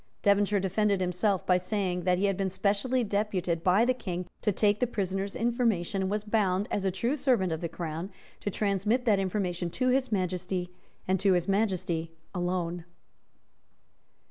Devonshire defended himself by saying that he had been specially deputed by the King to take the prisoner's information, and was bound, as a true servant of the Crown, to transmit that information to His Majesty and to His Majesty alone.